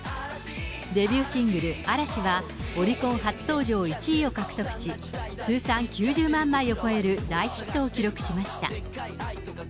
デビューシングル、アラシは、オリコン初登場１位を獲得し、通算９０万枚を超える大ヒットを記録しました。